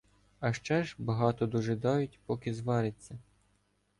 А ще ж багато дожидають, поки звариться.